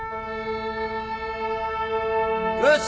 よし。